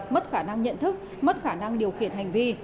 mất khả năng nhận thức mất khả năng điều khiển hành vi